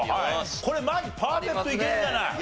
これマジパーフェクトいけるんじゃない？